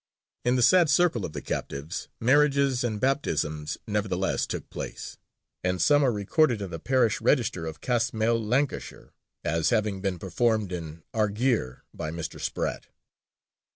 In the sad circle of the captives marriages and baptisms nevertheless took place, and some are recorded in the parish register of Castmell, Lancashire, as having been performed in "Argeir" by Mr. Spratt.